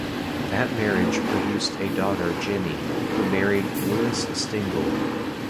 That marriage produced a daughter Jennie, who married Louis Stengel.